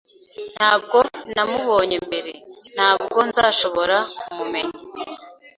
Ntabwo namubonye mbere, ntabwo nzashobora kumumenya.